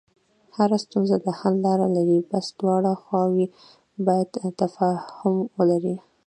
هره ستونزه د حل لاره لري، بس دواړه خواوې باید تفاهم ولري.